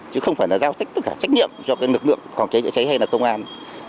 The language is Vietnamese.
chứ không phải là giao tích tất cả trách nhiệm cho lực lượng phòng cháy chữa cháy hay là công an